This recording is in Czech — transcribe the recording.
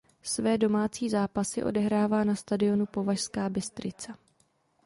Své domácí zápasy odehrává na stadionu Považská Bystrica.